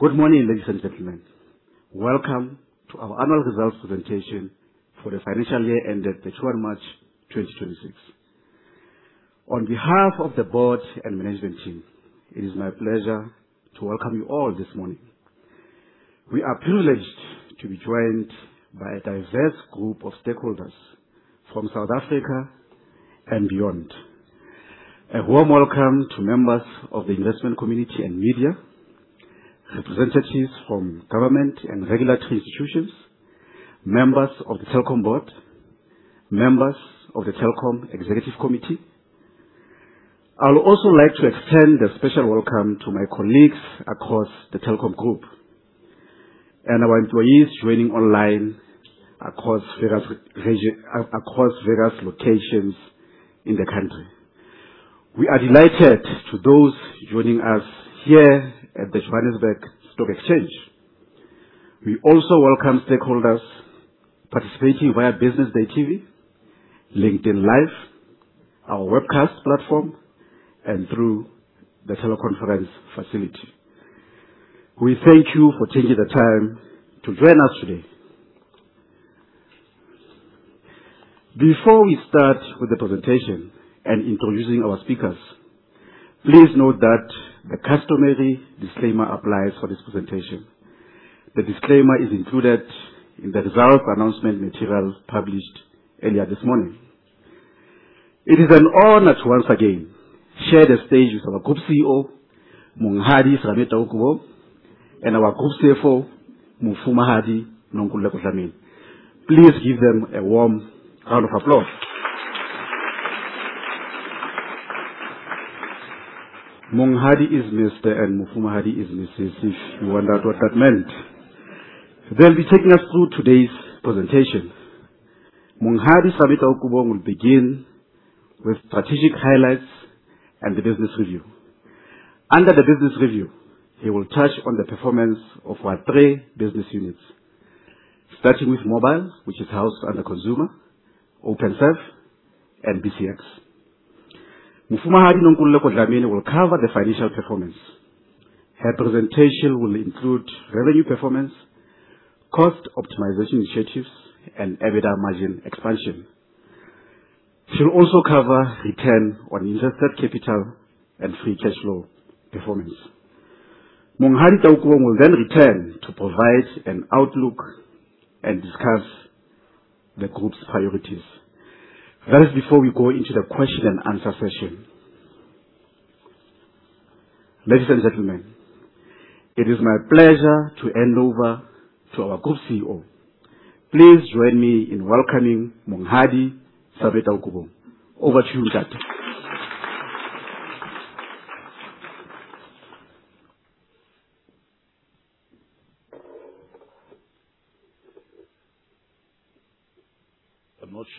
Good morning, ladies and gentlemen. Welcome to our annual results presentation for the financial year ended March 31, 2026. On behalf of the board and management team, it is my pleasure to welcome you all this morning. We are privileged to be joined by a diverse group of stakeholders from South Africa and beyond. A warm welcome to members of the investment community and media, representatives from government and regulatory institutions, members of the Telkom board, members of the Telkom Executive Committee. I would also like to extend a special welcome to my colleagues across the Telkom group and our employees joining online across various locations in the country. We are delighted to those joining us here at the Johannesburg Stock Exchange. We also welcome stakeholders participating via Business Day TV, LinkedIn Live, our webcast platform, and through the teleconference facility. We thank you for taking the time to join us today. Before we start with the presentation and introducing our speakers, please note that the customary disclaimer applies for this presentation. The disclaimer is included in the results announcement material published earlier this morning. It is an honor to once again share the stage with our Group CEO, Monghadi Serame Taukobong, and our Group CFO, Mofumahadi Nonkululeko Dlamini. Please give them a warm round of applause. Monghadi is mister and Mofumahadi is missus, if you wonder what that meant. They'll be taking us through today's presentation. Monghadi Serame Taukobong will begin with strategic highlights and the business review. Under the business review, he will touch on the performance of our three business units, starting with Telkom Mobile, which is housed under Telkom Consumer, Openserve, and BCX. Mofumahadi Nonkululeko Dlamini will cover the financial performance. Her presentation will include revenue performance, cost optimization initiatives, and EBITDA margin expansion. She'll also cover return on invested capital and free cash flow performance. Monghadi Taukobong will then return to provide an outlook and discuss the group's priorities. That is before we go into the question-and-answer session. Ladies and gentlemen, it is my pleasure to hand over to our Group CEO. Please join me in welcoming Monghadi Serame Taukobong. Over to you.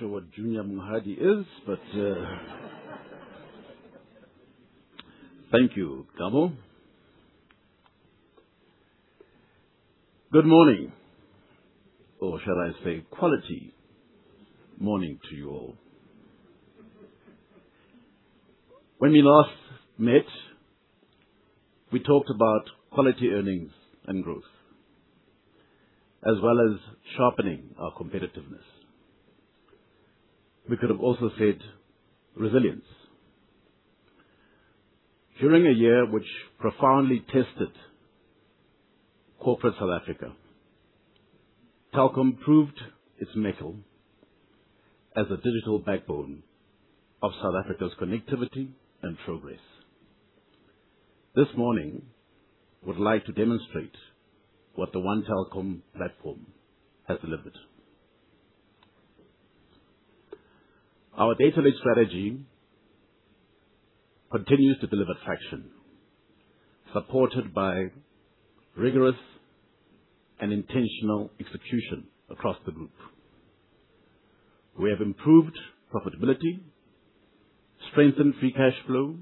I'm not sure what Junior Monghadi is, thank you, Nondyebo. Good morning, or shall I say quality morning to you all. When we last met, we talked about quality earnings and growth, as well as sharpening our competitiveness. We could have also said resilience. During a year which profoundly tested corporate South Africa, Telkom proved its mettle as a digital backbone of South Africa's connectivity and progress. This morning, we'd like to demonstrate what the One Telkom platform has delivered. Our data-led strategy continues to deliver traction, supported by rigorous and intentional execution across the group. We have improved profitability, strengthened free cash flow,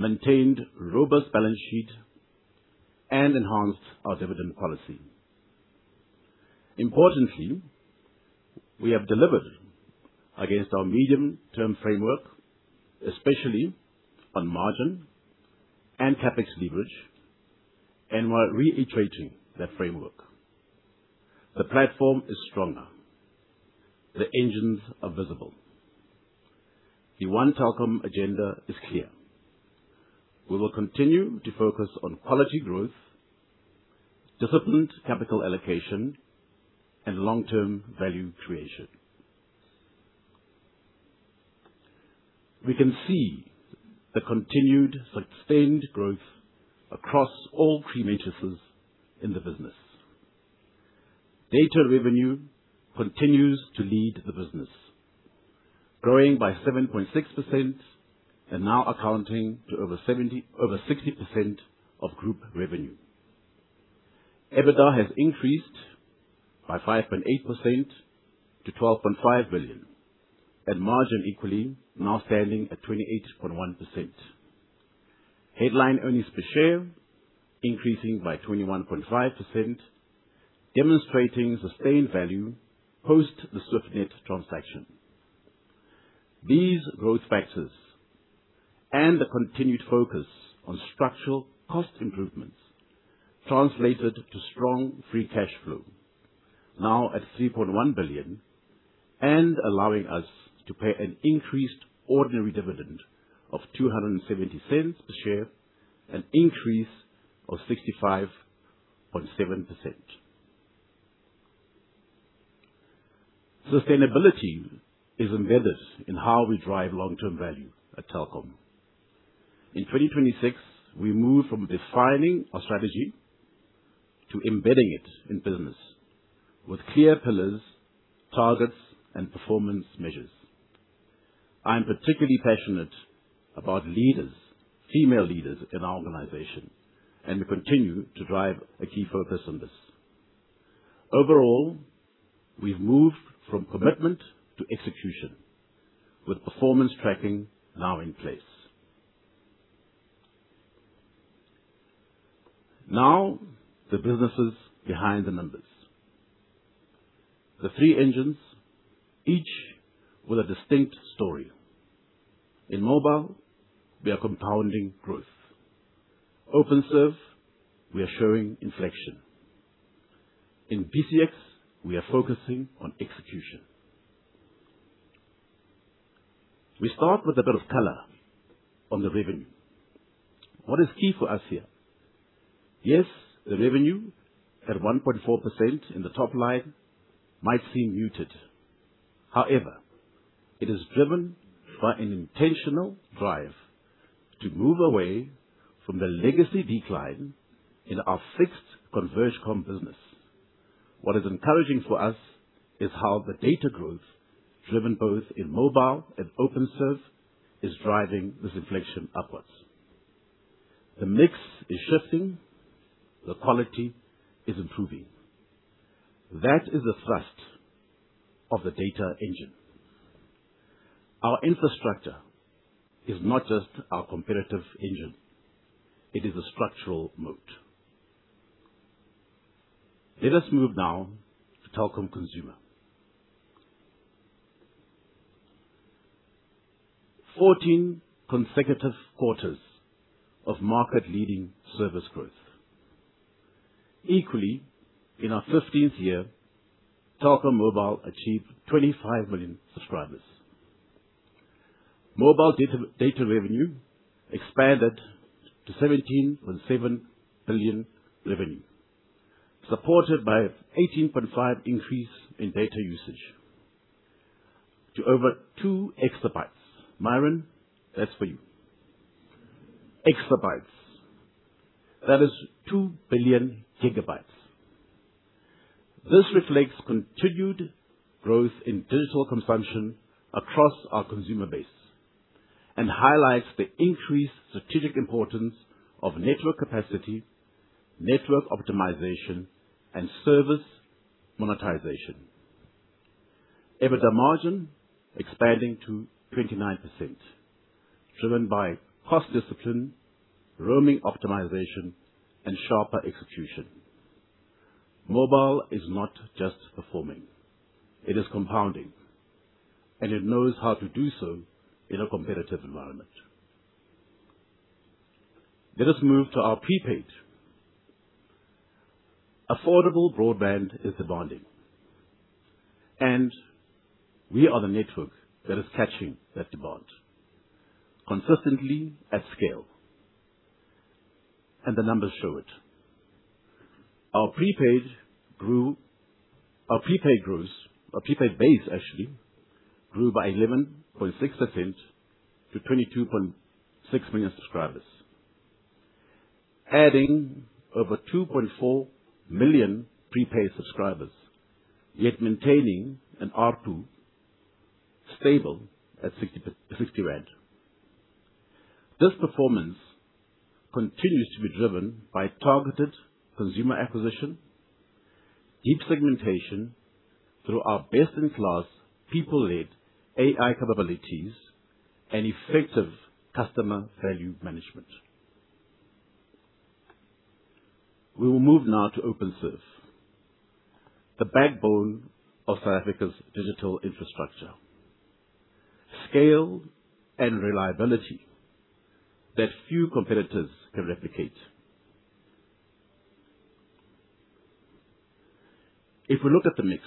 maintained robust balance sheet, and enhanced our dividend policy. Importantly, we have delivered against our medium-term framework, especially on margin and CapEx leverage, and we're reiterating that framework. The platform is stronger. The engines are visible. The One Telkom agenda is clear. We will continue to focus on quality growth, disciplined capital allocation, and long-term value creation. We can see the continued sustained growth across all three matrices in the business. Data revenue continues to lead the business, growing by 7.6% and now accounting for over 60% of group revenue. EBITDA has increased by 5.8% to 12.5 billion, and margin equally now standing at 28.1%. Headline earnings per share increasing by 21.5%, demonstrating sustained value post the Swiftnet transaction. These growth factors and the continued focus on structural cost improvements translated to strong free cash flow, now at 3.1 billion, and allowing us to pay an increased ordinary dividend of 2.70 per share, an increase of 65.7%. Sustainability is embedded in how we drive long-term value at Telkom. In 2026, we moved from defining our strategy to embedding it in business with clear pillars, targets, and performance measures. I'm particularly passionate about leaders, female leaders in our organization. We continue to drive a key focus on this. Overall, we've moved from commitment to execution, with performance tracking now in place. The businesses behind the numbers. The three engines, each with a distinct story. In mobile, we are compounding growth. Openserve, we are showing inflection. In BCX, we are focusing on execution. We start with a bit of color on the revenue. What is key for us here? Yes, the revenue at 1.4% in the top line might seem muted. However, it is driven by an intentional drive to move away from the legacy decline in our fixed Converged Core business. What is encouraging for us is how the data growth, driven both in mobile and Openserve, is driving this inflation upwards. The mix is shifting, the quality is improving. That is the thrust of the data engine. Our infrastructure is not just our competitive engine, it is a structural moat. Let us move now to Telkom Consumer. 14 consecutive quarters of market-leading service growth. Equally, in our 15th year, Telkom Mobile achieved 25 million subscribers. Mobile data revenue expanded to 17.7 billion revenue, supported by 18.5% increase in data usage to over two exabytes. Myron, that's for you. Exabytes. That is 2 billion gigabytes. This reflects continued growth in digital consumption across our consumer base and highlights the increased strategic importance of network capacity, network optimization, and service monetization. EBITDA margin expanding to 29%, driven by cost discipline, roaming optimization, and sharper execution. Mobile is not just performing, it is compounding, and it knows how to do so in a competitive environment. Let us move to our prepaid. Affordable broadband is demanding, and we are the network that is catching that demand, consistently at scale, and the numbers show it. Our prepaid base grew by 11.6% to 22.6 million subscribers, adding over 2.4 million prepaid subscribers, yet maintaining an ARPU stable at 60. This performance continues to be driven by targeted consumer acquisition, deep segmentation through our best-in-class people-led AI capabilities, and effective customer value management. We will move now to Openserve, the backbone of South Africa's digital infrastructure. Scale and reliability that few competitors can replicate. If we look at the mix,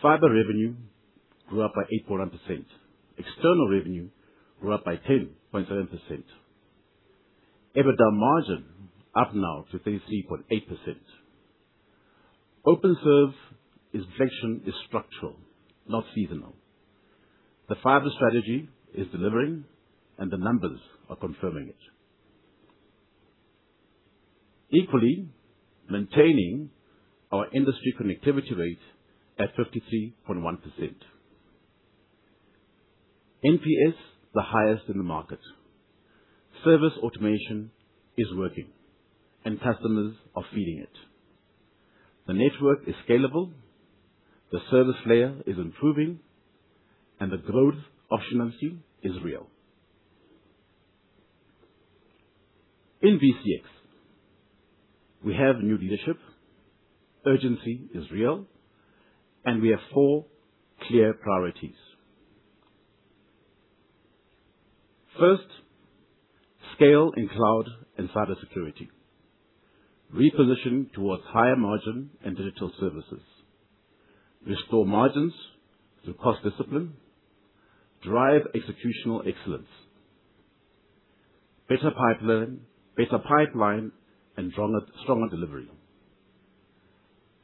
fiber revenue grew up by 8.1%. External revenue grew up by 10.7%. EBITDA margin up now to 33.8%. Openserve inflection is structural, not seasonal. The fiber strategy is delivering, and the numbers are confirming it. Equally, maintaining our industry connectivity rate at 53.1%. NPS, the highest in the market. Service automation is working, and customers are feeling it. The network is scalable, the service layer is improving, and the growth optionancy is real. In BCX, we have new leadership, urgency is real, and we have four clear priorities. First, scale in cloud and cybersecurity. Reposition towards higher margin and digital services. Restore margins through cost discipline. Drive executional excellence. Better pipeline and stronger delivery.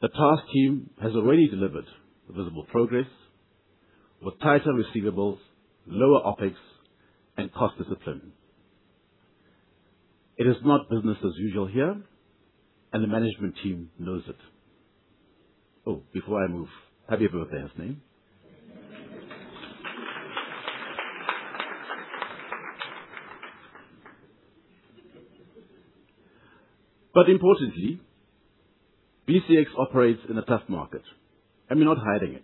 The task team has already delivered visible progress with tighter receivables, lower OpEx, and cost discipline. It is not business as usual here, and the management team knows it. Oh, before I move, happy birthday, Hasnain. Importantly, BCX operates in a tough market, and we're not hiding it.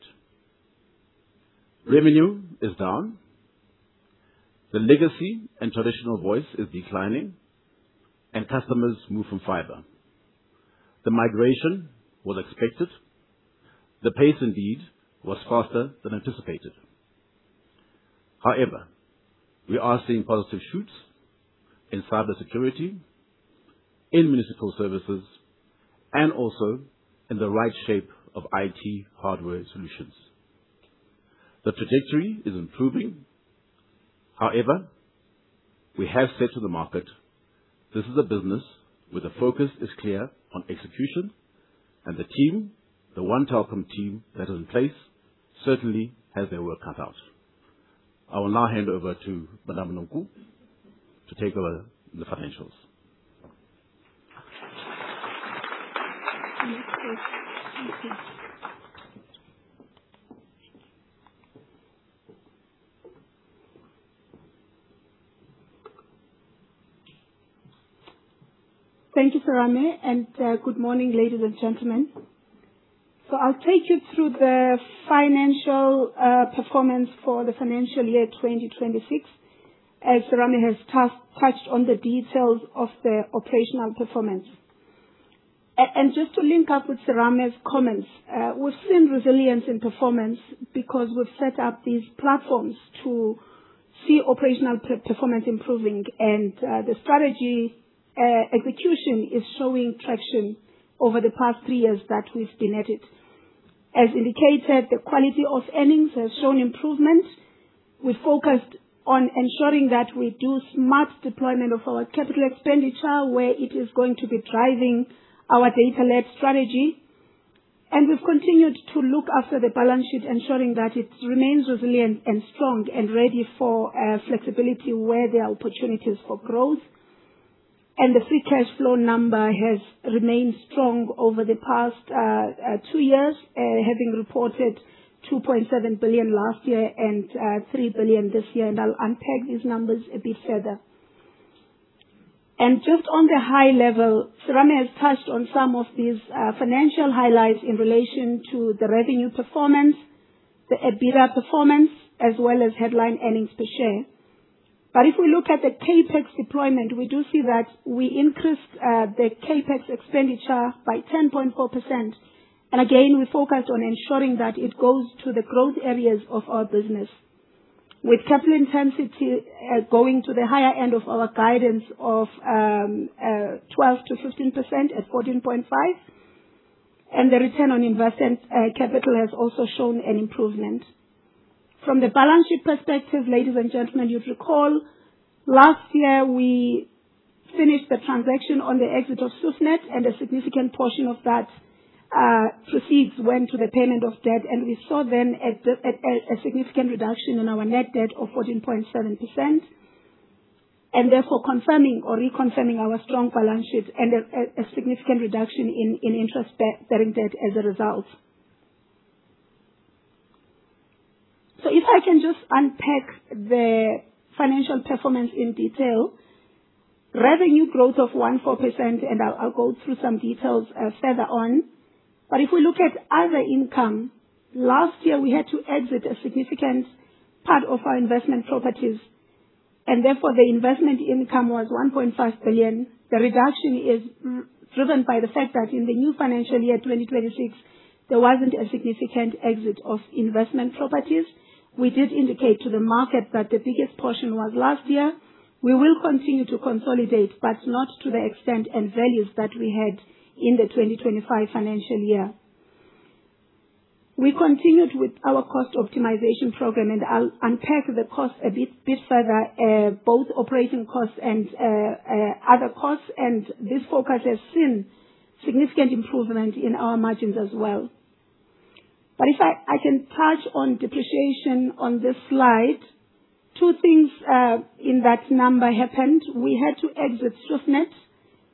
Revenue is down. The legacy and traditional voice is declining, and customers move from fiber. The migration was expected. The pace indeed was faster than anticipated. However, we are seeing positive shoots in cybersecurity, in municipal services, and also in the right shape of IT hardware solutions. The trajectory is improving. However, we have said to the market, this is a business where the focus is clear on execution and the team, the one Telkom team that is in place, certainly has their work cut out. I will now hand over to Madam Nonku to take over the financials. Thank you, Serame. Good morning, ladies and gentlemen. I'll take you through the financial performance for the financial year 2026, as Serame has touched on the details of the operational performance. Just to link up with Serame's comments, we've seen resilience in performance because we've set up these platforms to see operational performance improving and the strategy execution is showing traction over the past three years that we've been at it. As indicated, the quality of earnings has shown improvement. We've focused on ensuring that we do smart deployment of our capital expenditure, where it is going to be driving our data-led strategy. We've continued to look after the balance sheet, ensuring that it remains resilient and strong and ready for flexibility where there are opportunities for growth. The free cash flow number has remained strong over the past two years, having reported 2.7 billion last year and 3 billion this year. I'll unpack these numbers a bit further. Just on the high level, Serame has touched on some of these financial highlights in relation to the revenue performance, the EBITDA performance, as well as headline earnings per share. If we look at the CapEx deployment, we do see that we increased the CapEx expenditure by 10.4%. Again, we focused on ensuring that it goes to the growth areas of our business. With capital intensity going to the higher end of our guidance of 12%-15% at 14.5%, and the return on invested capital has also shown an improvement. From the balance sheet perspective, ladies and gentlemen, you'd recall last year we finished the transaction on the exit of Swiftnet, and a significant portion of that proceeds went to the payment of debt. We saw then a significant reduction in our net debt of 14.7%, and therefore confirming or reconfirming our strong balance sheet and a significant reduction in interest bearing debt as a result. If I can just unpack the financial performance in detail. Revenue growth of 14%, I'll go through some details further on. If we look at other income, last year, we had to exit a significant part of our investment properties, and therefore the investment income was 1.5 billion. The reduction is driven by the fact that in the new financial year, 2026, there wasn't a significant exit of investment properties. We did indicate to the market that the biggest portion was last year. We will continue to consolidate, but not to the extent and values that we had in the 2025 financial year. We continued with our cost optimization program, and I'll unpack the cost a bit further, both operating costs and other costs. This focus has seen significant improvement in our margins as well. If I can touch on depreciation on this slide, two things in that number happened. We had to exit Swiftnet,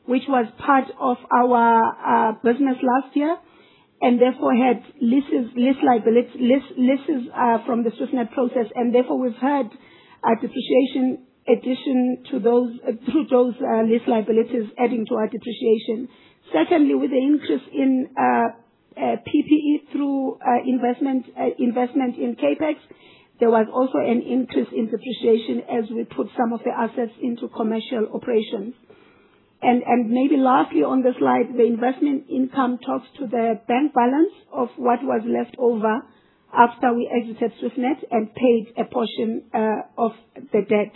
which was part of our business last year, and therefore had leases from the Swiftnet process. Therefore, we've had depreciation addition to those lease liabilities adding to our depreciation. Secondly, with the increase in PPE through investment in CapEx, there was also an increase in depreciation as we put some of the assets into commercial operations. Maybe lastly on the slide, the investment income talks to the bank balance of what was left over after we exited Swiftnet and paid a portion of the debt.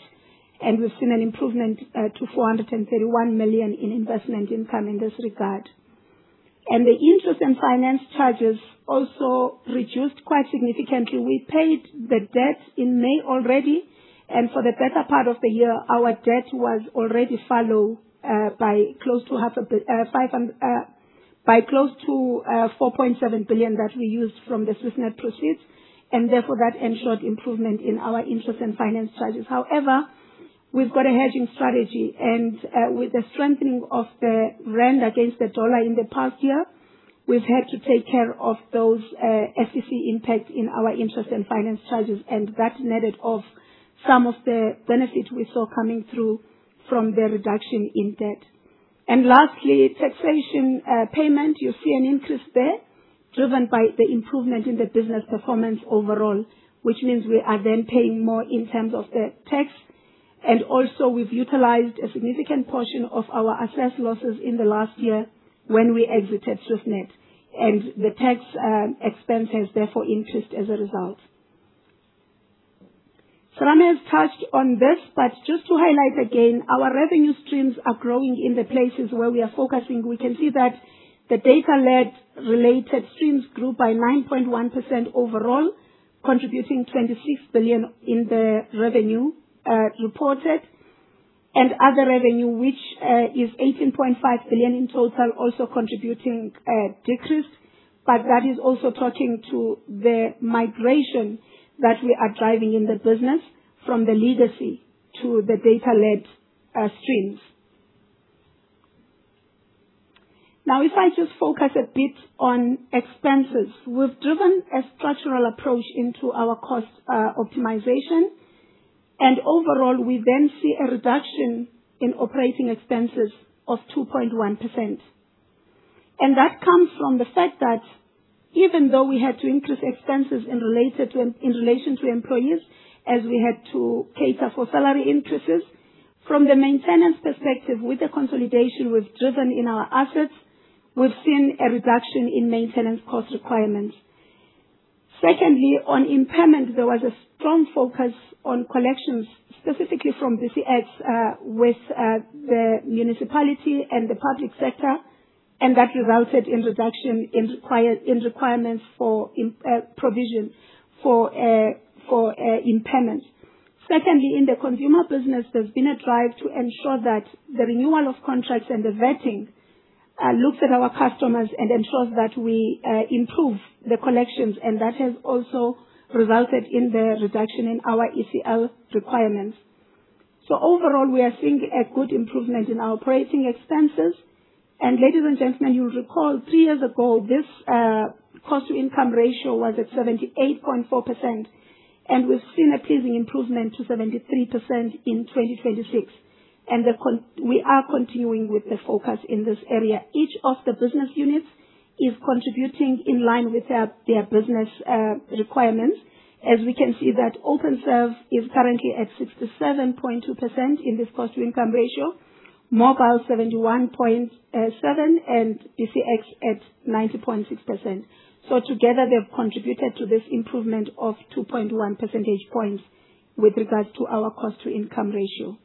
We've seen an improvement to 431 million in investment income in this regard. The interest and finance charges also reduced quite significantly. We paid the debt in May already. For the better part of the year, our debt was already reduced by close to 4.7 billion that we used from the Swiftnet proceeds. Therefore that ensured improvement in our interest and finance charges. However, we've got a hedging strategy and, with the strengthening of the rand against the dollar in the past year, we've had to take care of those FEC impacts in our interest and finance charges, and that netted off some of the benefit we saw coming through from the reduction in debt. Lastly, taxation payment. You see an increase there driven by the improvement in the business performance overall, which means we are then paying more in terms of tax. Also, we've utilized a significant portion of our assessed losses in the last year when we exited Swiftnet, and the tax expense has therefore increased as a result. Serame has touched on this, but just to highlight again, our revenue streams are growing in the places where we are focusing. We can see that the data-led related streams grew by 9.1% overall, contributing 26 billion in the revenue reported. Other revenue, which is 18.5 billion in total, also contributing a decrease, but that is also talking to the migration that we are driving in the business from the legacy to the data-led streams. If I just focus a bit on expenses. We've driven a structural approach into our cost optimization, and overall, we then see a reduction in operating expenses of 2.1%. That comes from the fact that even though we had to increase expenses in relation to employees, as we had to cater for salary increases. From the maintenance perspective, with the consolidation we've driven in our assets, we've seen a reduction in maintenance cost requirements. On impairment, there was a strong focus on collections, specifically from BCX, with the municipality and the public sector, and that resulted in reduction in requirements for provision for impairment. In the Telkom Consumer business, there's been a drive to ensure that the renewal of contracts and the vetting looks at our customers and ensures that we improve the collections, and that has also resulted in the reduction in our ECL requirements. Overall, we are seeing a good improvement in our operating expenses. Ladies and gentlemen, you'll recall three years ago, this cost to income ratio was at 78.4%, and we've seen a pleasing improvement to 73% in 2026. We are continuing with the focus in this area. Each of the business units is contributing in line with their business requirements, as we can see that Openserve is currently at 67.2% in this cost to income ratio, Mobile 71.7%, and BCX at 90.6%. Together, they've contributed to this improvement of 2.1 percentage points with regards to our cost to income ratio.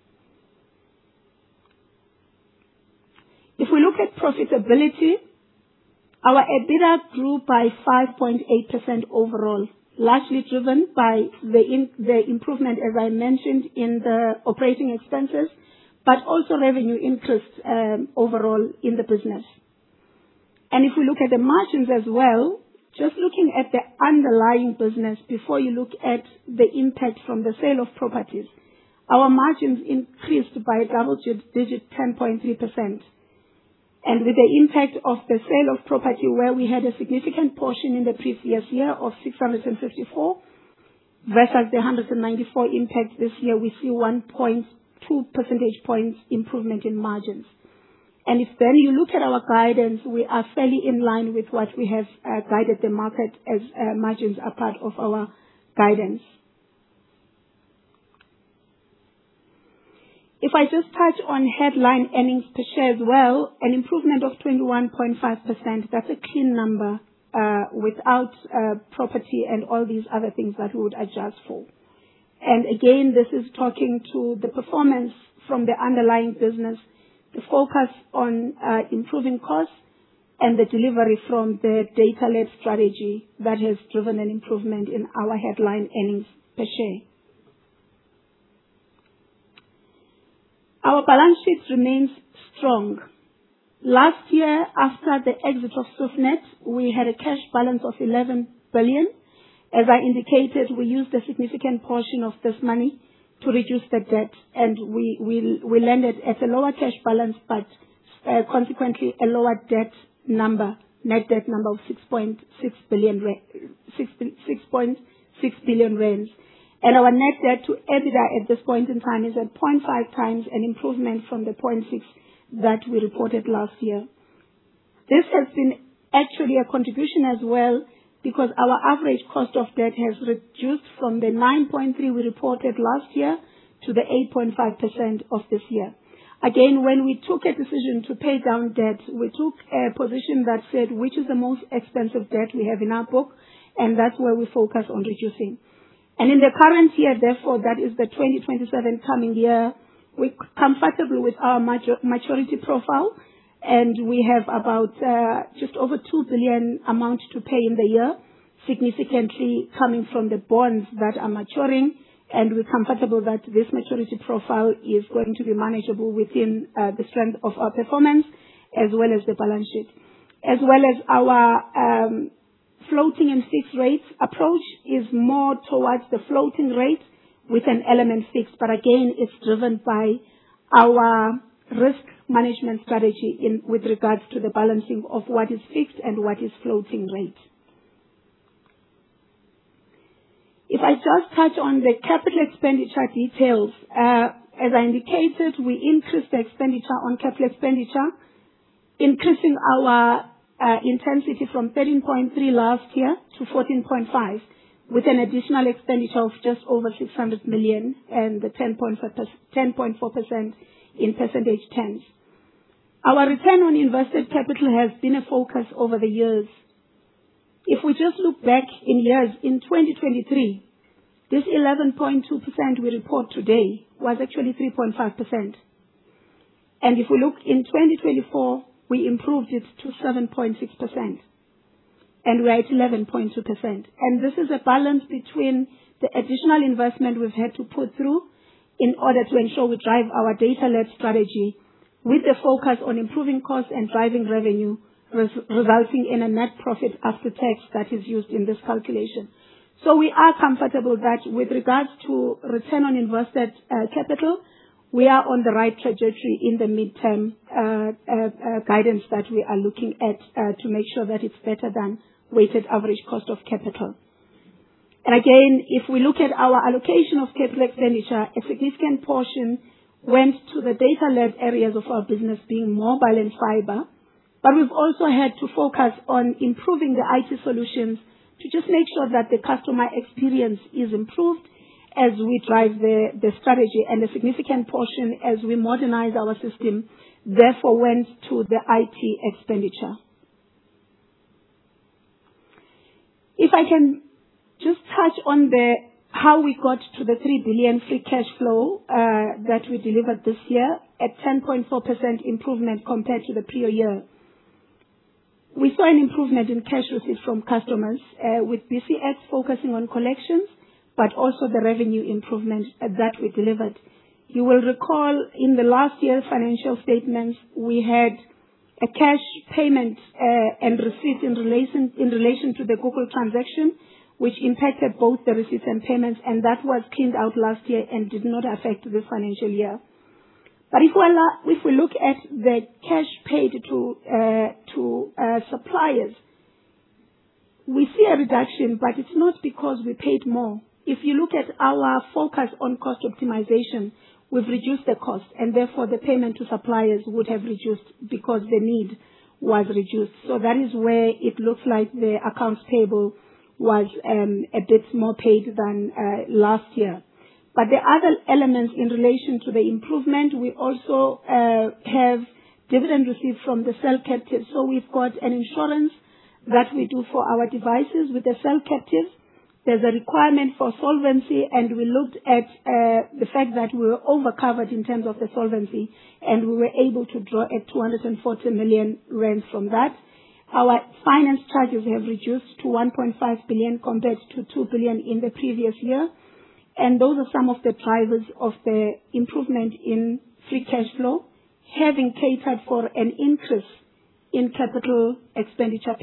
If we look at profitability, our EBITDA grew by 5.8% overall, largely driven by the improvement, as I mentioned, in the operating expenses, but also revenue increase, overall in the business. If you look at the margins as well, just looking at the underlying business before you look at the impact from the sale of properties, our margins increased by double-digit, 10.3%. With the impact of the sale of property, where we had a significant portion in the previous year of 654 versus the 194 impact this year, we see 1.2 percentage points improvement in margins. If you look at our guidance, we are fairly in line with what we have guided the market as margins are part of our guidance. If I just touch on headline earnings per share as well, an improvement of 21.5%, that's a clean number, without property and all these other things that we would adjust for. Again, this is talking to the performance from the underlying business, the focus on improving costs and the delivery from the data-led strategy that has driven an improvement in our headline earnings per share. Our balance sheet remains strong. Last year, after the exit of Swiftnet, we had a cash balance of 11 billion. As I indicated, we used a significant portion of this money to reduce the debt, and we landed at a lower cash balance, but consequently a lower net debt number of 6.6 billion. Our net debt to EBITDA at this point in time is at 0.5x, an improvement from the 0.6x that we reported last year. This has been actually a contribution as well because our average cost of debt has reduced from the 9.3% we reported last year to the 8.5% of this year. Again, when we took a decision to pay down debt, we took a position that said, which is the most expensive debt we have in our book? That's where we focus on reducing. In the current year, therefore, that is the 2027 coming year, we're comfortable with our maturity profile, and we have about just over 2 billion amount to pay in the year, significantly coming from the bonds that are maturing. We're comfortable that this maturity profile is going to be manageable within the strength of our performance as well as the balance sheet. As well as our floating and fixed rates approach is more towards the floating rate with an element fixed, but again, it's driven by our risk management strategy with regards to the balancing of what is fixed and what is floating rate. If I just touch on the capital expenditure details. As I indicated, we increased the expenditure on capital expenditure, increasing our intensity from 13.3% last year to 14.5%, with an additional expenditure of just over 600 million and the 10.4% in percentage change. Our return on invested capital has been a focus over the years. If we just look back in years, in 2023, this 11.2% we report today was actually 3.5%. If we look in 2024, we improved it to 7.6%, and we are at 11.2%. This is a balance between the additional investment we've had to put through in order to ensure we drive our data-led strategy with a focus on improving costs and driving revenue, resulting in a net profit after tax that is used in this calculation. We are comfortable that with regards to return on invested capital, we are on the right trajectory in the midterm guidance that we are looking at to make sure that it's better than weighted average cost of capital. Again, if we look at our allocation of capital expenditure, a significant portion went to the data-led areas of our business being mobile and fiber. We've also had to focus on improving the IT solutions to just make sure that the customer experience is improved as we drive the strategy, and a significant portion as we modernize our system, therefore, went to the IT expenditure. If I can just touch on how we got to the 3 billion free cash flow, that we delivered this year at 10.4% improvement compared to the prior year. We saw an improvement in cash receipts from customers, with BCX focusing on collections, but also the revenue improvement that we delivered. You will recall in the last year's financial statements, we had a cash payment and receipt in relation to the Google transaction, which impacted both the receipts and payments, and that was cleaned out last year and did not affect this financial year. If we look at the cash paid to suppliers, we see a reduction, but it's not because we paid more. If you look at our focus on cost optimization, we've reduced the cost, therefore, the payment to suppliers would have reduced because the need was reduced. That is where it looks like the accounts payable was a bit more paid than last year. The other elements in relation to the improvement, we also have dividend received from the cell captive. We've got an insurance that we do for our devices with the cell captive. There's a requirement for solvency, and we looked at the fact that we were over-covered in terms of the solvency, and we were able to draw at 240 million rand from that. Our finance charges have reduced to 1.5 billion compared to 2 billion in the previous year. Those are some of the drivers of the improvement in free cash flow, having catered for an increase in capital expenditure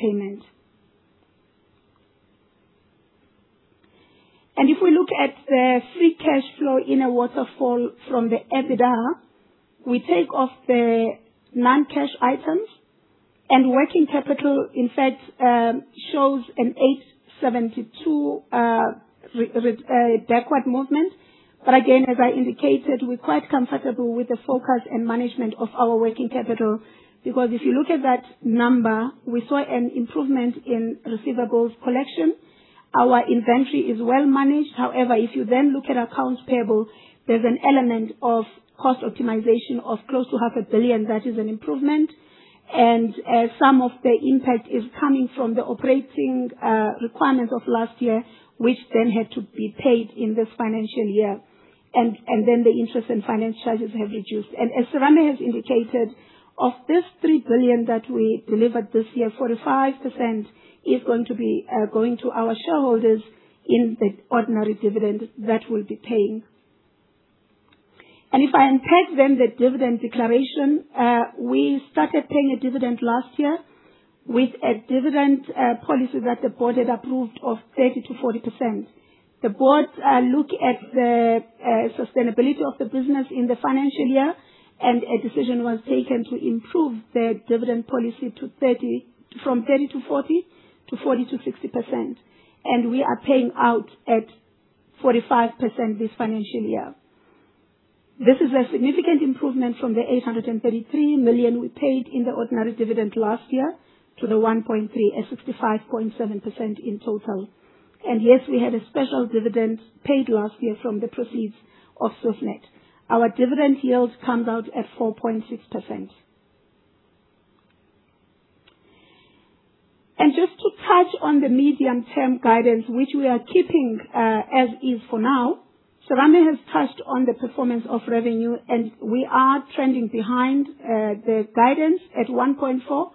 payment. If we look at the free cash flow in a waterfall from the EBITDA, we take off the non-cash items and working capital, in fact, shows a 872 backward movement. Again, as I indicated, we're quite comfortable with the focus and management of our working capital because if you look at that number, we saw an improvement in receivables collection. Our inventory is well managed. However, if you then look at accounts payable, there's an element of cost optimization of close to 500 million that is an improvement. Some of the impact is coming from the operating requirements of last year, which then had to be paid in this financial year. The interest and finance charges have reduced. As Serame has indicated, of this 3 billion that we delivered this year, 45% is going to our shareholders in the ordinary dividend that we'll be paying. If I unpack then the dividend declaration, we started paying a dividend last year with a dividend policy that the board had approved of 30%-40%. The board looked at the sustainability of the business in the financial year, and a decision was taken to improve the dividend policy from 30%-40% to 40%-60%. We are paying out at 45% this financial year. This is a significant improvement from the 833 million we paid in the ordinary dividend last year to the 1.3 at 65.7% in total. Yes, we had a special dividend paid last year from the proceeds of Swiftnet. Our dividend yield comes out at 4.6%. Just to touch on the medium-term guidance, which we are keeping as is for now. Serame has touched on the performance of revenue, we are trending behind the guidance at 1.4%,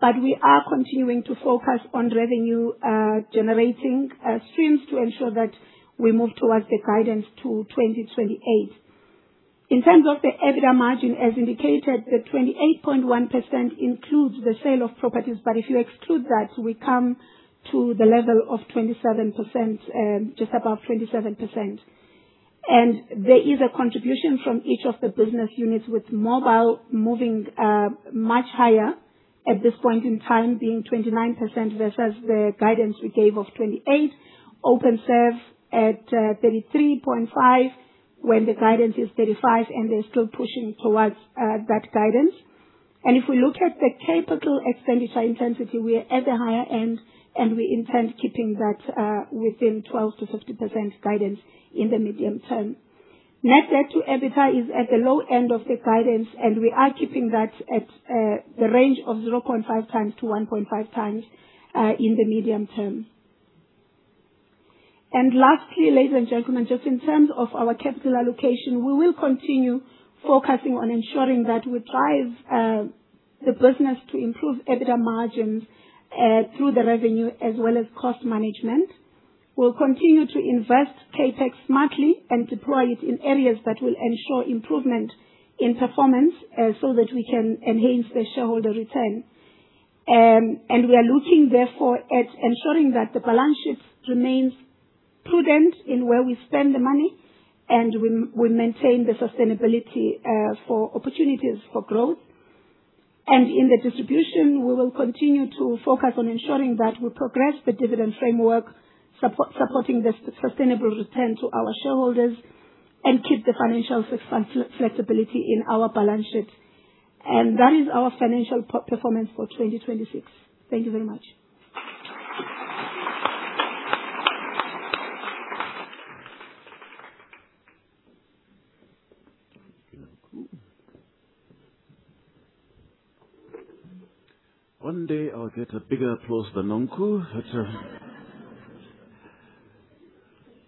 but we are continuing to focus on revenue generating streams to ensure that we move towards the guidance to 2028. In terms of the EBITDA margin, as indicated, the 28.1% includes the sale of properties, but if you exclude that, we come to the level of 27%, just above 27%. There is a contribution from each of the business units with Mobile moving much higher at this point in time, being 29% versus the guidance we gave of 28%, Openserve at 33.5% when the guidance is 35%, and they are still pushing towards that guidance. If we look at the capital expenditure intensity, we are at the higher end, and we intend keeping that within 12%-15% guidance in the medium term. Net debt to EBITDA is at the low end of the guidance, and we are keeping that at the range of 0.5x to 1.5x in the medium term. Lastly, ladies and gentlemen, just in terms of our capital allocation, we will continue focusing on ensuring that we drive the business to improve EBITDA margins through the revenue as well as cost management. We'll continue to invest CapEx smartly and deploy it in areas that will ensure improvement in performance so that we can enhance the shareholder return. We are looking, therefore, at ensuring that the balance sheet remains prudent in where we spend the money, and we maintain the sustainability for opportunities for growth. In the distribution, we will continue to focus on ensuring that we progress the dividend framework, supporting the sustainable return to our shareholders, and keep the financial flexibility in our balance sheet. That is our financial performance for 2026. Thank you very much. One day I'll get a bigger applause than Nonku.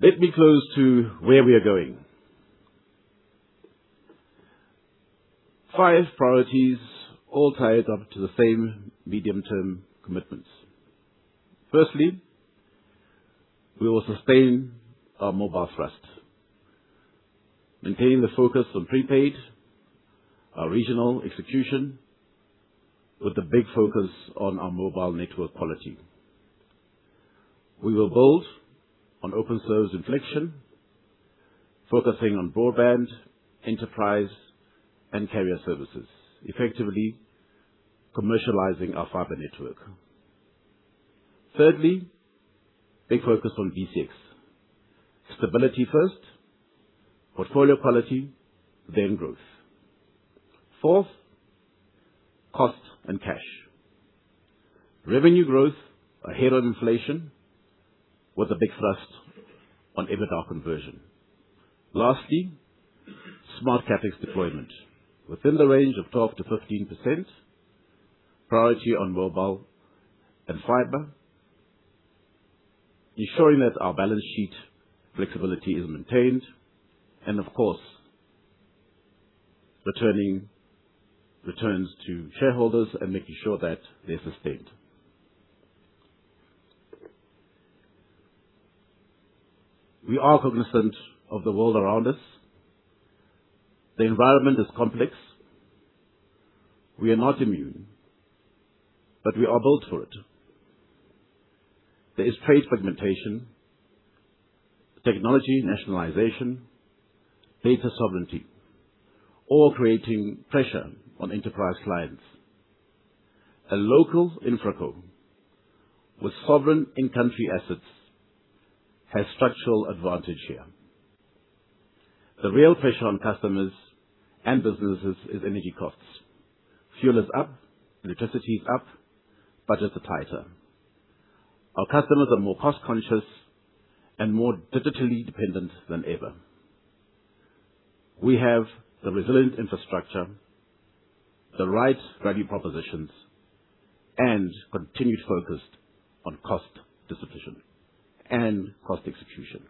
Let me close to where we are going. Five priorities all tied up to the same medium-term commitments. Firstly, we will sustain our mobile thrust, maintaining the focus on prepaid, our regional execution with a big focus on our mobile network quality. We will build on Openserve's inflection, focusing on broadband, enterprise, and carrier services, effectively commercializing our fiber network. Thirdly, big focus on BCX. Stability first, portfolio quality, then growth. Fourth, cost and cash. Revenue growth ahead of inflation with a big thrust on EBITDA conversion. Lastly, smart CapEx deployment within the range of 12%-15%, priority on mobile and fiber, ensuring that our balance sheet flexibility is maintained, and of course, returning returns to shareholders and making sure that they're sustained. We are cognizant of the world around us. The environment is complex. We are not immune, but we are built for it. There is trade fragmentation, technology nationalization, data sovereignty, all creating pressure on enterprise clients. A local infra co with sovereign in-country assets has structural advantage here. The real pressure on customers and businesses is energy costs. Fuel is up, electricity is up, budgets are tighter. Our customers are more cost-conscious and more digitally dependent than ever. We have the resilient infrastructure, the right value propositions, and continued focus on cost discipline and cost execution.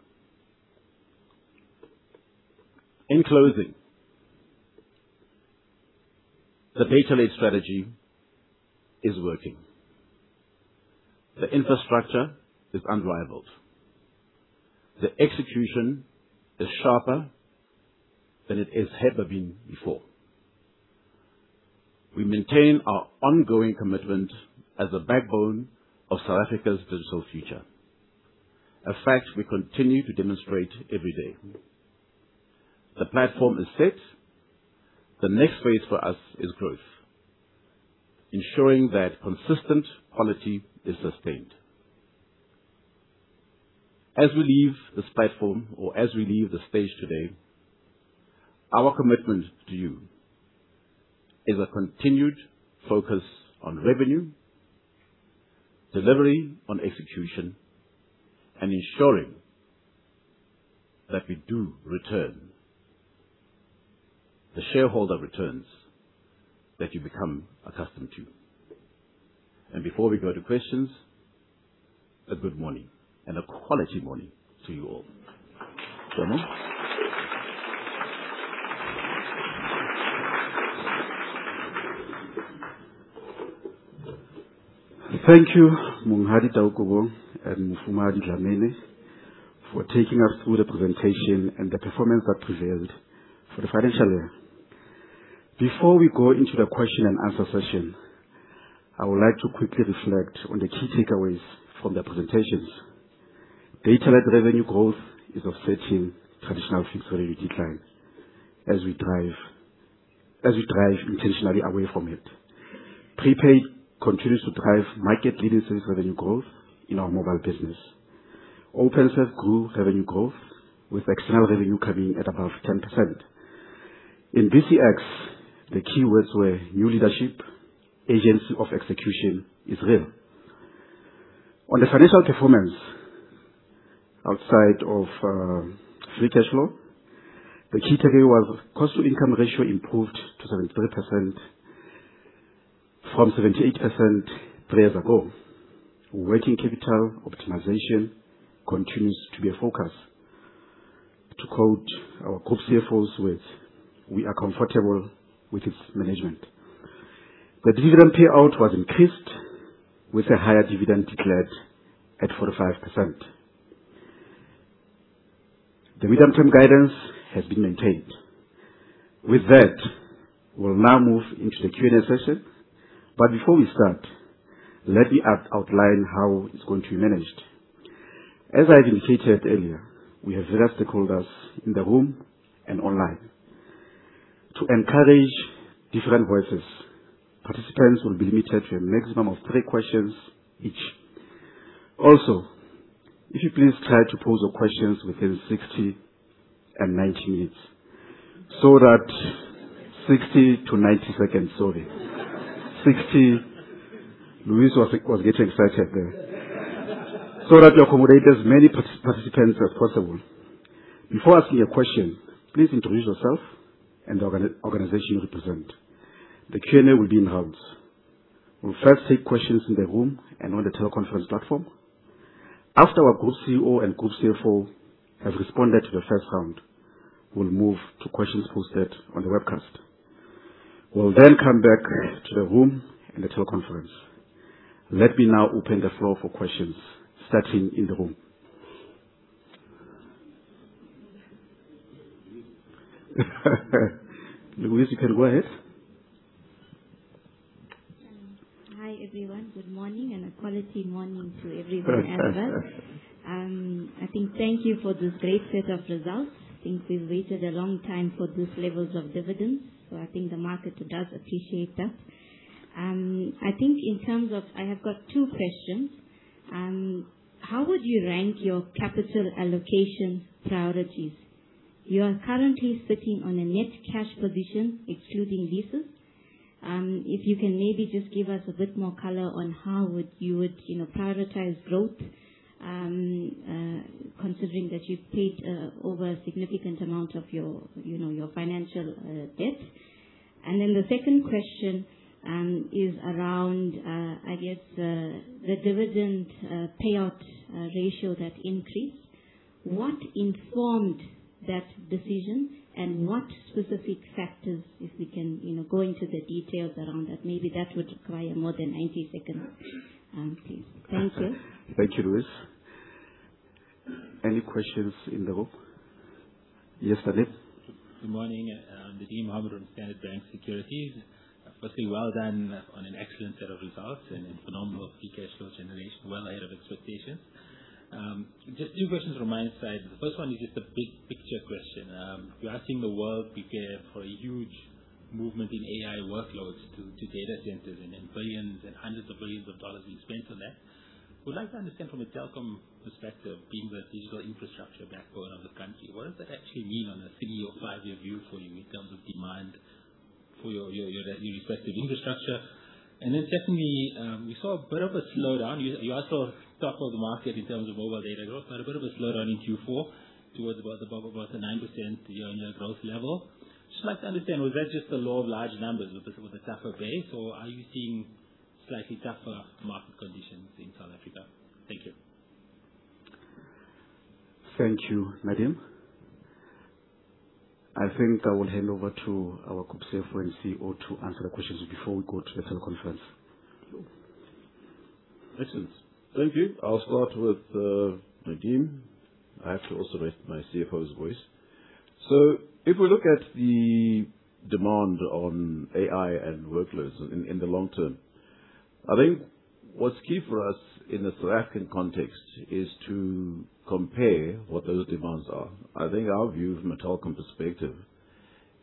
In closing, the data-led strategy is working. The infrastructure is unrivaled. The execution is sharper than it has ever been before. We maintain our ongoing commitment as the backbone of South Africa's digital future, a fact we continue to demonstrate every day. The platform is set. The next phase for us is growth, ensuring that consistent quality is sustained. As we leave this platform or as we leave the stage today, our commitment to you is a continued focus on revenue, delivery on execution, and ensuring that we do return the shareholder returns that you've become accustomed to. Before we go to questions, a good morning, and a quality morning to you all. NM? Thank you, Monghadi Serame Taukobong and Nonkululeko Dlamini, for taking us through the presentation and the performance that prevailed for the financial year. Before we go into the question and answer session, I would like to quickly reflect on the key takeaways from the presentations. Data-led revenue growth is offsetting traditional fixed revenue decline as we drive intentionally away from it. Prepaid continues to drive market-leading service revenue growth in our mobile business. Openserve grew revenue growth with external revenue coming in at above 10%. In BCX, the keywords were new leadership, urgency of execution is real. On the financial performance, outside of free cash flow, the key takeaway was cost to income ratio improved to 73% from 78% three years ago. Working capital optimization continues to be a focus. To quote our group CFO's words, "We are comfortable with its management." The dividend payout was increased with a higher dividend declared at 45%. The medium-term guidance has been maintained. We'll now move into the Q&A session. Before we start, let me outline how it's going to be managed. As I've indicated earlier, we have various stakeholders in the room and online. To encourage different voices, participants will be limited to a maximum of three questions each. If you please try to pose your questions within 60 to 90 seconds. Sorry. 60. Louise was getting excited there. That we accommodate as many participants as possible. Before asking a question, please introduce yourself and the organization you represent. The Q&A will be in rounds. We'll first take questions in the room and on the teleconference platform. After our Group CEO and Group CFO have responded to the first round, we'll move to questions posted on the webcast. We'll then come back to the room and the teleconference. Let me now open the floor for questions, starting in the room. Louise, you can go ahead. Hi, everyone. Good morning, and a quality morning to everyone as well. I think thank you for this great set of results. I think we've waited a long time for these levels of dividends, so I think the market does appreciate that. I have two questions. How would you rank your capital allocation priorities? You are currently sitting on a net cash position excluding leases. If you can maybe just give us a bit more color on how would you prioritize growth, considering that you've paid over a significant amount of your financial debt. The second question is around, I guess the dividend payout ratio that increased. What informed that decision, and what specific factors, if we can go into the details around that? Maybe that would require more than 90 seconds, please. Thank you. Thank you, Louise. Any questions in the room? Yes, Nadeem. Good morning. Nadeem Hamid with Standard Bank Securities. Firstly, well done on an excellent set of results and a phenomenal free cash flow generation well ahead of expectations. Just two questions from my side. The first one is just a big picture question. We are seeing the world prepare for a huge movement in AI workloads to data centers and then billions and hundreds of billions being spent on that. Would like to understand from a Telkom perspective, being the digital infrastructure backbone of the country, what does that actually mean on a three or five-year view for you in terms of demand for your respective infrastructure? Secondly, we saw a bit of a slowdown. You also talked about the market in terms of mobile data growth, had a bit of a slowdown in Q4 towards above about the 9% year-on-year growth level. Just like to understand, was that just the law of large numbers with the tougher base, or are you seeing slightly tougher market conditions in South Africa? Thank you. Thank you, Nadeem. I think I will hand over to our Group CFO and CEO to answer the questions before we go to the teleconference. Thanks. Thank you. I'll start with Nadeem. I have to also raise my CFO's voice. If we look at the demand on AI and workloads in the long term, I think what's key for us in the South African context is to compare what those demands are. I think our view from a Telkom perspective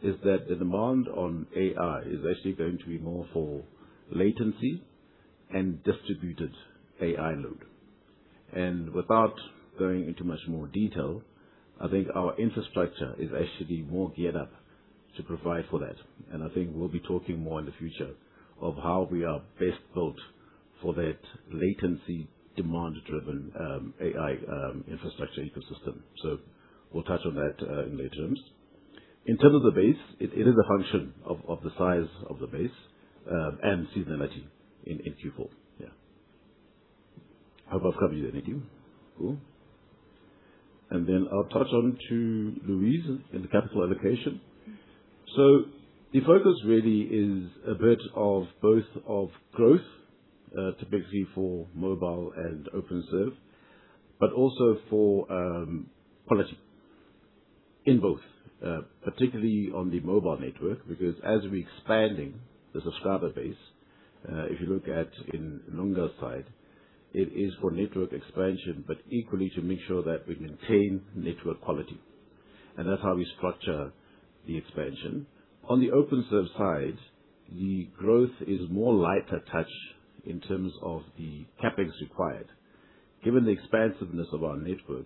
is that the demand on AI is actually going to be more for latency and distributed AI load. Without going into much more detail, I think our infrastructure is actually more geared up to provide for that, and I think we'll be talking more in the future of how we are best built for that latency demand-driven AI infrastructure ecosystem. We'll touch on that in later terms. In terms of the base, it is a function of the size of the base, and seasonality in Q4. Yeah. Have I covered anything? Cool. Then I'll touch on to Louise in the capital allocation. The focus really is a bit of both of growth, typically for mobile and Openserve, but also for quality in both, particularly on the mobile network, because as we're expanding the subscriber base, if you look at in longer side, it is for network expansion, but equally to make sure that we maintain network quality. That's how we structure the expansion. On the Openserve side, the growth is more lighter touch in terms of the CapEx required. Given the expansiveness of our network,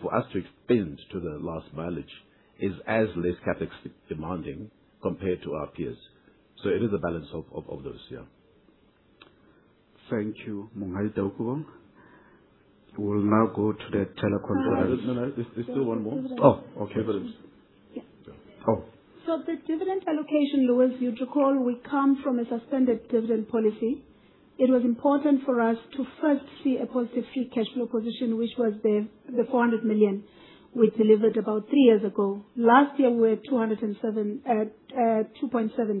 for us to expand to the last mileage is as less CapEx demanding compared to our peers. It is a balance of those. Yeah. Thank you, Monghadi Taukobong. We'll now go to the teleconference. No, there's still one more. Oh, okay. Dividends. Yeah. Oh. The dividend allocation, Louise, you to call, we come from a suspended dividend policy. It was important for us to first see a positive free cash flow position, which was the 400 million we delivered about three years ago. Last year, we were at 2.7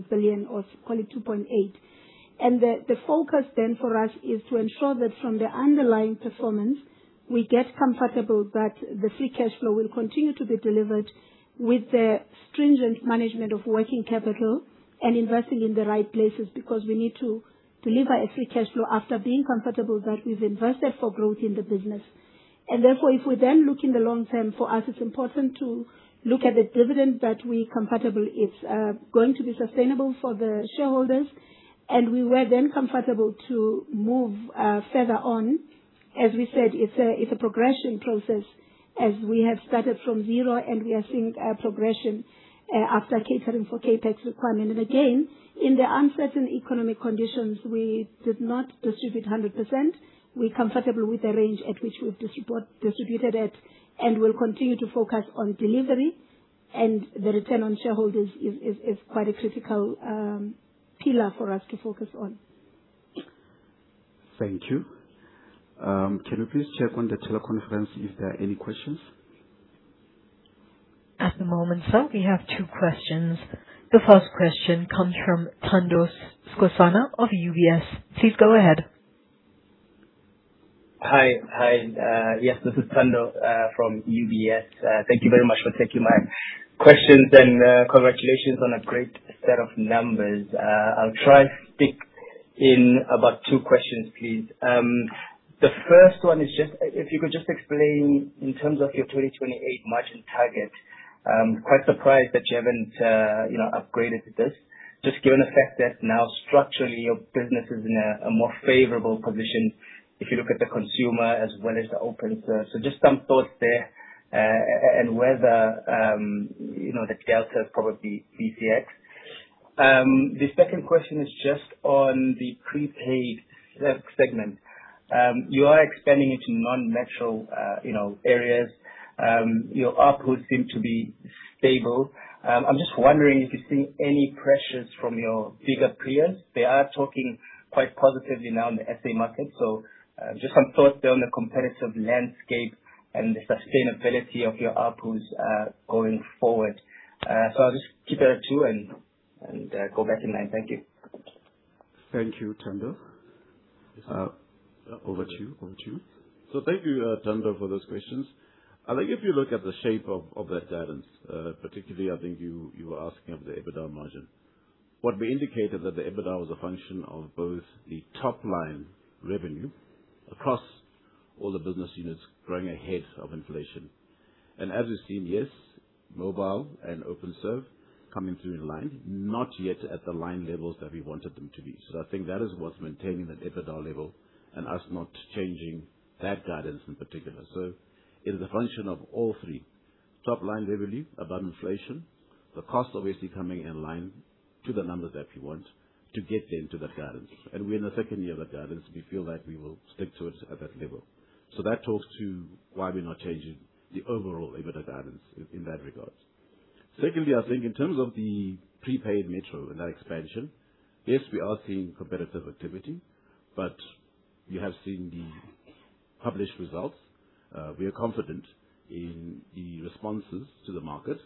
billion or call it 2.8 billion. The focus then for us is to ensure that from the underlying performance, we get comfortable that the free cash flow will continue to be delivered with the stringent management of working capital and investing in the right places because we need to deliver a free cash flow after being comfortable that we've invested for growth in the business. Therefore, if we then look in the long term, for us, it's important to look at the dividend that we comfortable it's going to be sustainable for the shareholders, and we were then comfortable to move further on. As we said, it's a progression process as we have started from zero and we are seeing a progression after catering for CapEx requirement. Again, in the uncertain economic conditions, we did not distribute 100%. We're comfortable with the range at which we've distributed at, and we'll continue to focus on delivery and the return on shareholders is quite a critical pillar for us to focus on. Thank you. Can we please check on the teleconference if there are any questions? At the moment, sir, we have two questions. The first question comes from Thando Skosana of UBS. Please go ahead. Hi. Yes, this is Thando from UBS. Thank you very much for taking my questions, congratulations on a great set of numbers. I'll try to stick in about two questions, please. The first one is just if you could just explain in terms of your 2028 margin target. I'm quite surprised that you haven't upgraded this, just given the fact that now structurally your business is in a more favorable position if you look at the consumer as well as the Openserve. Just some thoughts there, and whether the delta is probably BCX. The second question is just on the prepaid segment. You are expanding into non-metro areas. Your ARPU seem to be stable. I'm just wondering if you're seeing any pressures from your bigger peers. They are talking quite positively now in the SA market. Just some thoughts there on the competitive landscape and the sustainability of your ARPUs going forward. I'll just keep it at two and go back in line. Thank you. Thank you, Thando. Over to you. Thank you, Thando, for those questions. I think if you look at the shape of that guidance, particularly I think you were asking of the EBITDA margin. What we indicated that the EBITDA was a function of both the top line revenue across all the business units growing ahead of inflation. As we've seen, yes, Mobile and Openserve coming through the line, not yet at the line levels that we wanted them to be. I think that is what's maintaining that EBITDA level and us not changing that guidance in particular. It is a function of all three. Top line revenue above inflation, the cost obviously coming in line to the numbers that we want to get then to that guidance. We're in the second year of that guidance. We feel like we will stick to it at that level. That talks to why we're not changing the overall EBITDA guidance in that regards. Secondly, I think in terms of the prepaid metro and that expansion, yes, we are seeing competitive activity, but you have seen the published results. We are confident in the responses to the market,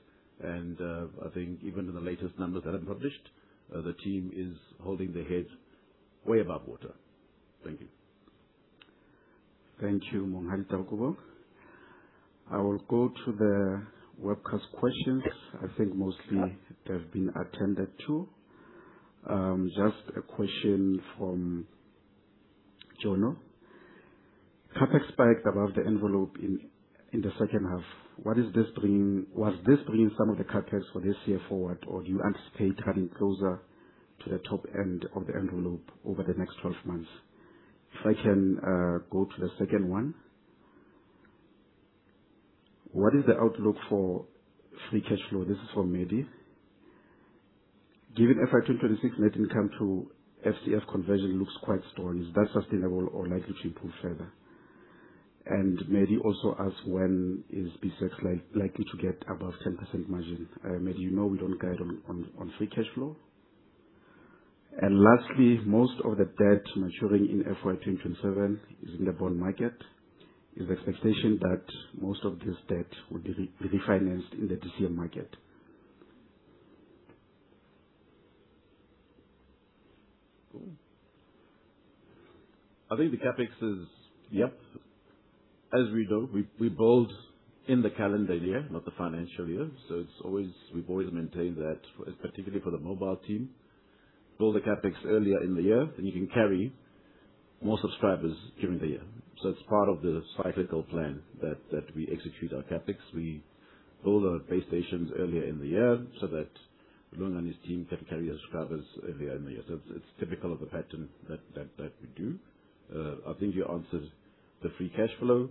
and I think even in the latest numbers that have been published, the team is holding their head way above water. Thank you. Thank you, Monghadi Taukobong. I will go to the webcast questions. I think mostly they've been attended to. Just a question from Jono. CapEx spiked above the envelope in the second half. Was this bringing some of the CapEx for this year forward, or do you anticipate running closer to the top end of the envelope over the next 12 months? If I can go to the second one. What is the outlook for free cash flow? This is for Medi. Given FY 2026 net income to FCF conversion looks quite strong, is that sustainable or likely to improve further? Medi also asks when is BCX likely to get above 10% margin. Medi, you know we don't guide on free cash flow. Lastly, most of the debt maturing in FY 2027 is in the bond market. Is the expectation that most of this debt will be refinanced in the DCM market? I think the CapEx. Yep. As we build in the calendar year, not the financial year. We've always maintained that, particularly for the mobile team, build the CapEx earlier in the year, and you can carry more subscribers during the year. It's part of the cyclical plan that we execute our CapEx. We build our base stations earlier in the year so that Lunga and his team can carry the subscribers early in the year. It's typical of the pattern that we do. I think you answered the free cash flow.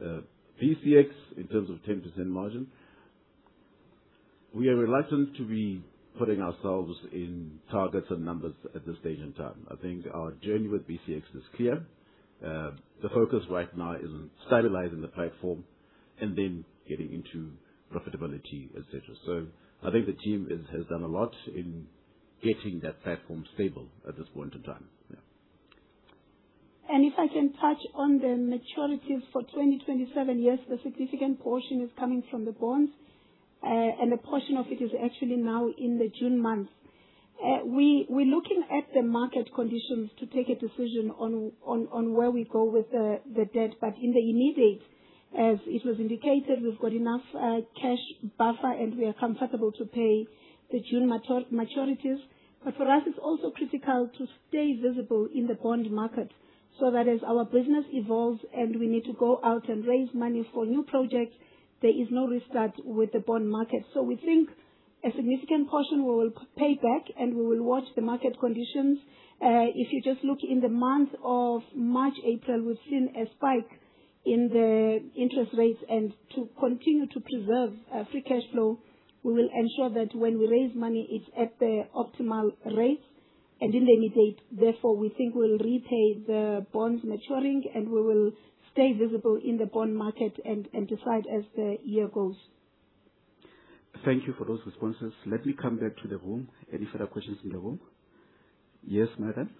BCX, in terms of 10% margin, we are reluctant to be putting ourselves in targets and numbers at this stage in time. I think our journey with BCX is clear. The focus right now is on stabilizing the platform and then getting into profitability, et cetera. I think the team has done a lot in getting that platform stable at this point in time. Yeah. If I can touch on the maturities for 2027. Yes, the significant portion is coming from the bonds, and a portion of it is actually now in the June month. We're looking at the market conditions to take a decision on where we go with the debt, but in the immediate, as it was indicated, we've got enough cash buffer, and we are comfortable to pay the June maturities. For us, it's also critical to stay visible in the bond market so that as our business evolves and we need to go out and raise money for new projects, there is no restart with the bond market. We think a significant portion we will pay back, and we will watch the market conditions. If you just look in the month of March, April, we've seen a spike in the interest rates, and to continue to preserve free cash flow, we will ensure that when we raise money, it's at the optimal rates and in the immediate. Therefore, we think we'll repay the bonds maturing, and we will stay visible in the bond market and decide as the year goes. Thank you for those responses. Let me come back to the room. Any further questions in the room? Yes, Myron.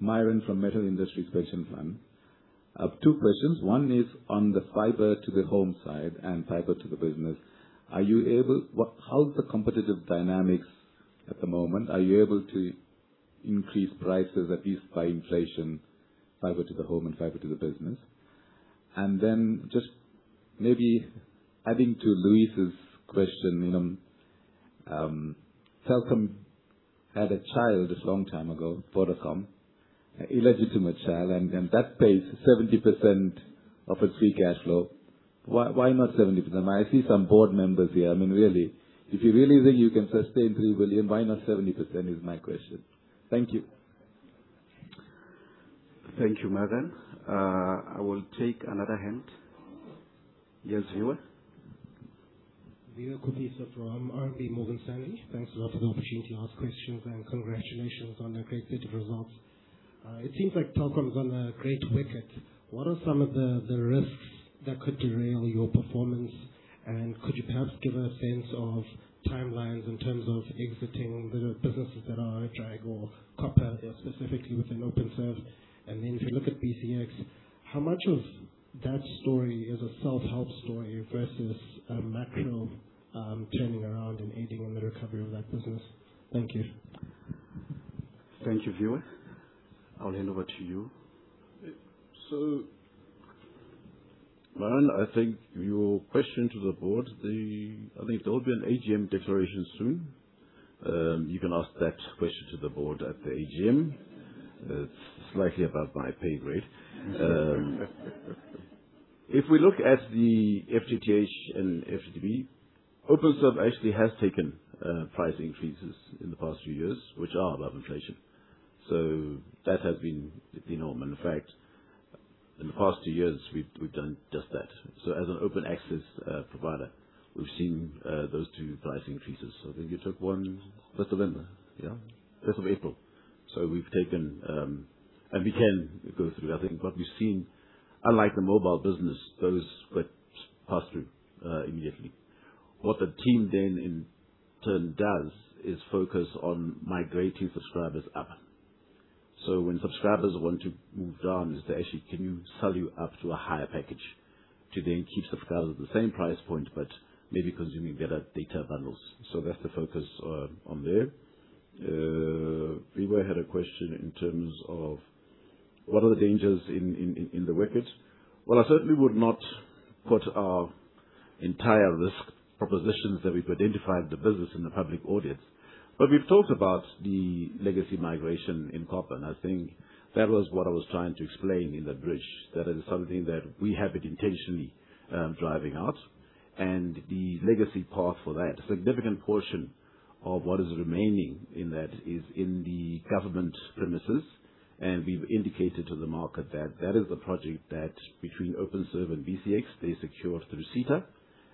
Myron from Metal Industries Pension Fund. I have two questions. One is on the fiber to the home side and fiber to the business. How's the competitive dynamics at the moment? Are you able to increase prices, at least by inflation, fiber to the home and fiber to the business? Then just maybe adding to Louise's question, Telkom had a child a long time ago, Vodacom, illegitimate child, and that pays 70% of its free cash flow. Why not 70%? I see some board members here. I mean, really. If you really think you can sustain 3 billion, why not 70% is my question. Thank you. Thank you, Myron. I will take another hand. Yes, Viwe Viwe Kupiso from RMB Morgan Stanley. Thanks a lot for the opportunity to ask questions. Congratulations on the great set of results. It seems like Telkom is on a great wicket. What are some of the risks that could derail your performance? Could you perhaps give a sense of timelines in terms of exiting the businesses that are a drag or copper, specifically within Openserve? If you look at BCX, how much of that story is a self-help story versus a macro turning around and aiding in the recovery of that business? Thank you. Thank you, Viwe. I'll hand over to you. Myron, I think your question to the board, I think there will be an AGM declaration soon. You can ask that question to the board at the AGM. It's slightly above my pay grade. If we look at the FTTH and FTTB, Openserve actually has taken price increases in the past few years, which are above inflation. That has been the normal effect. In the past two years, we've done just that. As an open access provider, we've seen those two price increases. I think you took one first of April. We've taken, and we can go through, I think what we've seen, unlike the mobile business, those get passed through immediately. What the team then in turn does is focus on migrating subscribers up. When subscribers want to move down, is to actually can you sell you up to a higher package to then keep subscribers at the same price point, but maybe consuming better data bundles. That's the focus on there. Viwe had a question in terms of what are the dangers in the wicket. I certainly would not put our entire risk propositions that we've identified the business in the public audience. We've talked about the legacy migration in copper, and I think that was what I was trying to explain in that bridge, that is something that we have it intentionally driving out. The legacy part for that significant portion of what is remaining in that is in the government premises. We've indicated to the market that that is a project that between Openserve and BCX, they secured through SITA.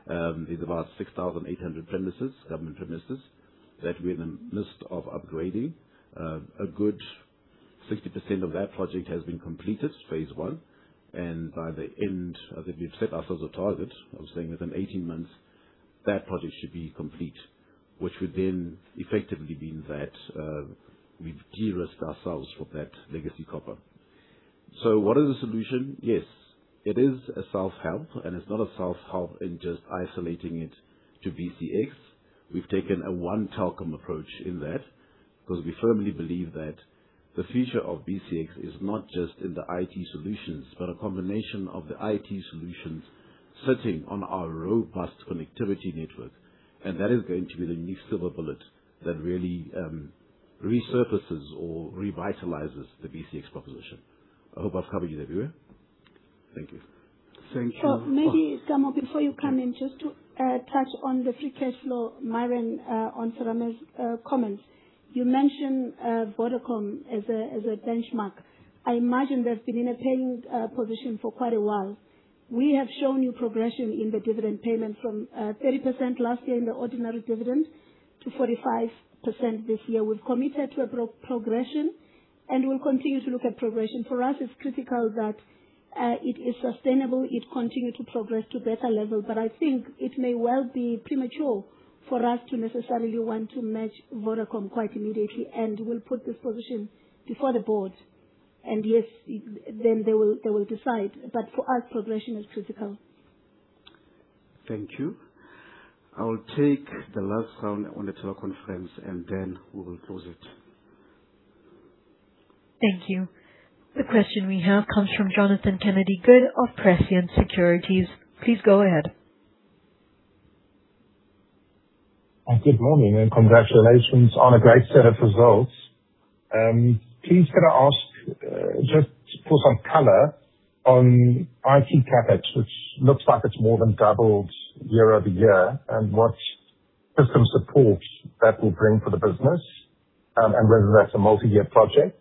There's about 6,800 premises, government premises, that we have a list of upgrading. A good 60% of that project has been completed, phase one. By the end, that we've set ourselves a target, I was saying within 18 months, that project should be complete, which would then effectively mean that, we've de-risked ourselves from that legacy copper. What is the solution? Yes, it is a self-help, it's not a self-help in just isolating it to BCX. We've taken a one Telkom approach in that because we firmly believe that the future of BCX is not just in the IT solutions, but a combination of the IT solutions sitting on our robust connectivity network. That is going to be the new silver bullet that really resurfaces or revitalizes the BCX proposition. I hope I've covered you there, Viwe. Thank you. Thank you. Maybe, Mqulwana, before you come in, just to touch on the free cash flow, Myron, on Serame's comments. You mentioned Vodacom as a benchmark. I imagine they've been in a paying position for quite a while. We have shown you progression in the dividend payment from 30% last year in the ordinary dividend to 45% this year. We've committed to a progression, and we'll continue to look at progression. For us, it's critical that it is sustainable, it continue to progress to better level. I think it may well be premature for us to necessarily want to match Vodacom quite immediately, and we'll put this position before the board. Yes, then they will decide. For us, progression is critical. Thank you. I will take the last round on the teleconference, and then we will close it. Thank you. The question we have comes from Jonathan Kennedy-Good of Prescient Securities. Please go ahead. Good morning, congratulations on a great set of results. Please can I ask, just to put some color on IT CapEx, which looks like it's more than doubled year-over-year, and what system support that will bring for the business, and whether that's a multi-year project.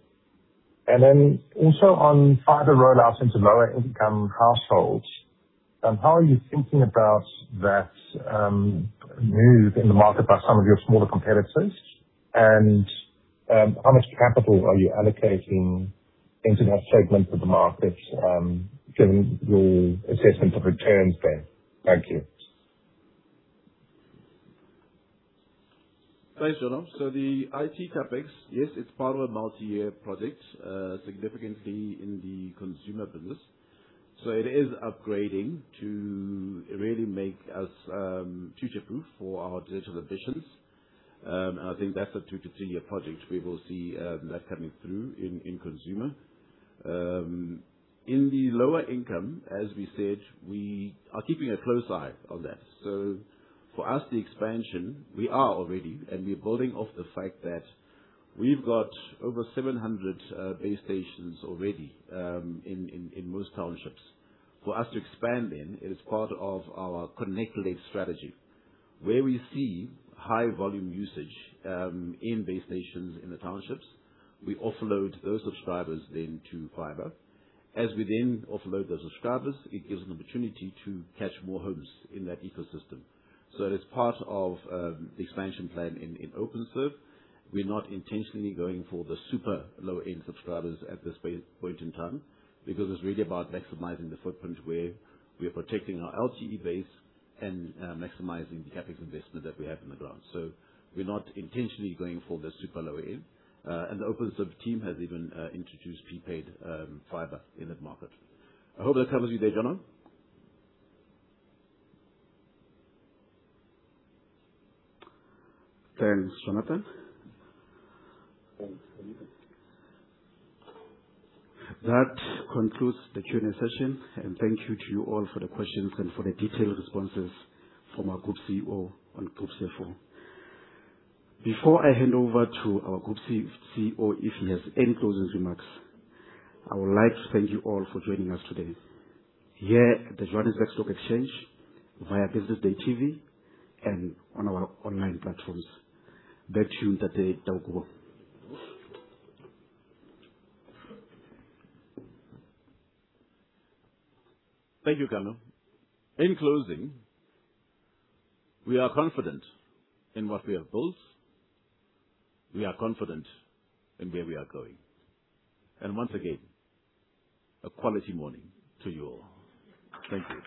Also on fiber rollouts into lower income households, how are you thinking about that move in the market by some of your smaller competitors? How much capital are you allocating into that segment of the market, given your assessment of returns there? Thank you. Thanks, Jonathan. The IT CapEx, yes, it's part of a multi-year project, significantly in the consumer business. It is upgrading to really make us future-proof for our digital ambitions. I think that's a two to three-year project. We will see that coming through in consumer. In the lower income, as we said, we are keeping a close eye on that. For us, the expansion, we are already, and we're building off the fact that we've got over 700 base stations already, in most townships. For us to expand, it is part of our Connect-led strategy. Where we see high volume usage, in base stations in the townships, we offload those subscribers then to fiber. As we then offload those subscribers, it gives an opportunity to catch more homes in that ecosystem. It is part of the expansion plan in Openserve. We're not intentionally going for the super low-end subscribers at this phase, point in time because it's really about maximizing the footprint where we are protecting our LTE base and maximizing the CapEx investment that we have in the ground. We're not intentionally going for the super low end. The Openserve team has even introduced prepaid fiber in that market. I hope that covers you there, Jonathan. Thanks, Jonathan. Thanks. That concludes the Q&A session and thank you to you all for the questions and for the detailed responses from our Group CEO and Group CFO. Before I hand over to our Group CEO, if he has any closing remarks, I would like to thank you all for joining us today here at the Johannesburg Stock Exchange via Business Day TV and on our online platforms. Back to you, Taukobong. Thank you, Mqu. In closing, we are confident in what we have built. We are confident in where we are going. Once again, a quality morning to you all. Thank you.